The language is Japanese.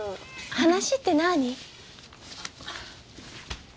話って何？